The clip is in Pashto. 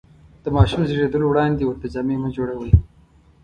د ماشوم زېږېدلو وړاندې ورته جامې مه جوړوئ.